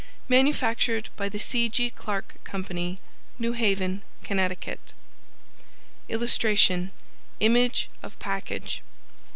MANUFACTURED BY THE C. G. CLARK COMPANY, New Haven, Connecticut. [Illustration: Image of package.